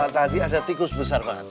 tadi ada tikus besar pak